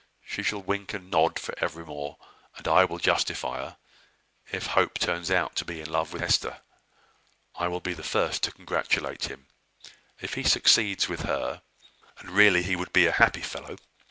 She shall wink and nod for evermore, and I will justify her, if Hope turns out to be in love with Hester. I will be the first to congratulate him, if he succeeds with her: and really he would be a happy fellow.